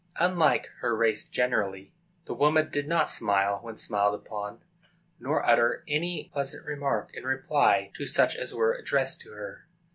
Unlike her race generally, the woman did not smile when smiled upon, nor utter any pleasant remark in reply to such as were addressed to her.